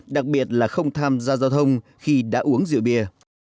đặc biệt là không tham gia giao thông khi đã uống rượu bia